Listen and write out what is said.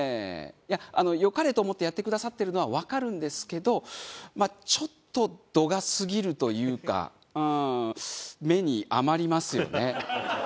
いや良かれと思ってやってくださってるのはわかるんですけどまあちょっと度が過ぎるというかうーん目に余りますよね。